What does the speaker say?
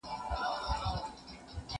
مرسته وکړه!.